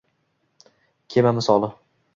Kema misoli